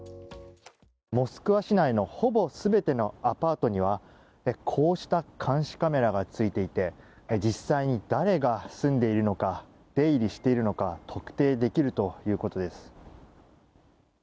モスクワ市内のほぼ全てのアパートにはこうした監視カメラがついていて実際に誰が住んでいるのか出入りしているのか特定できるということです。